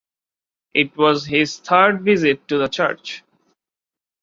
It was his third visit to the church.